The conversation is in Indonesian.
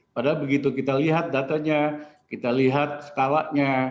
padahal begitu kita lihat datanya kita lihat skalanya